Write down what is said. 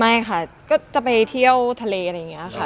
ไม่ค่ะก็จะไปเที่ยวทะเลอะไรอย่างนี้ค่ะ